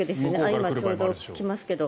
今、ちょうど来ますが。